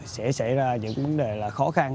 sẽ xảy ra những vấn đề khó khăn